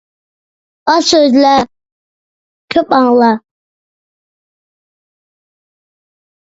ئاز سۆزلە، كۆپ ئاڭلا.